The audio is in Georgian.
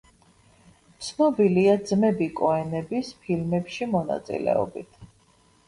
ცნობილია ძმები კოენების ფილმებში მონაწილეობით.